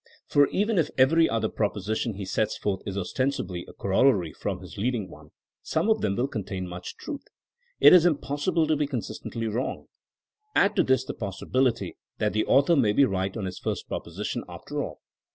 For even if every other proposition he sets forth is ostensibly a corollary from his leading one, some of them will contain much truth. It is impossible to be consistently wrong. Add to this the possibility that the author may be right on his first proposi tion after all.